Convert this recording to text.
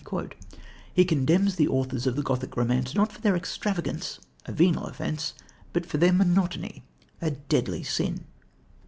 He condemns the authors of the Gothic romance, not for their extravagance, a venial offence, but for their monotony, a deadly sin.